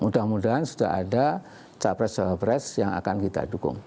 mudah mudahan sudah ada capres cawapres yang akan kita dukung